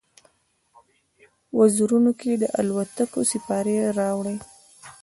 وزرونو کې، د الوتلو سیپارې راوړي